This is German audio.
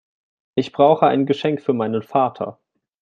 Ich brauche ein Geschenk für meinen Vater.